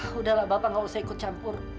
sudahlah bapak gak usah ikut campur